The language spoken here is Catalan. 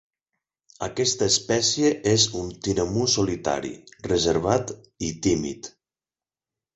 Aquesta espècie és un tinamú solitari, reservat i tímid.